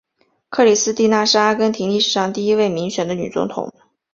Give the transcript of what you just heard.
克里斯蒂娜是阿根廷历史上第一位民选的女总统。